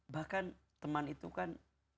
bahkan teman itu kan